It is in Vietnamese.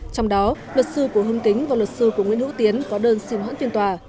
trong đó luật sư của hưng kính và luật sư của nguyễn hữu tiến có đơn xin hoãn phiên tòa